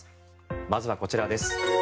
まずはこちらです。